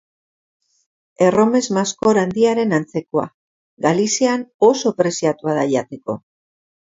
Erromes-maskor handiaren antzekoa, Galizian oso preziatua da jateko.